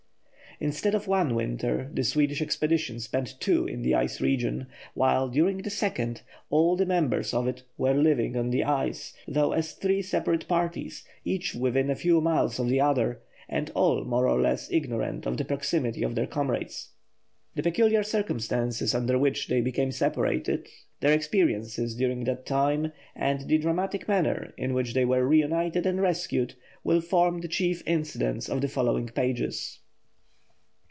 Instead of one winter, the Swedish expedition spent two in the ice region, while, during the second, all the members of it were living on the ice, though as three separate parties, each within a few miles of the other, and all, more or less, ignorant of the proximity of their comrades. The peculiar circumstances under which they became separated, their experiences during that time, and the dramatic manner in which they were reunited and rescued, will form the chief incidents of the following pages.